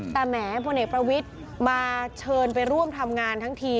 แต่แหมพลเอกประวิทย์มาเชิญไปร่วมทำงานทั้งที